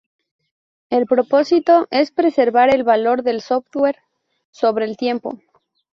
El propósito es preservar el valor del software sobre el tiempo.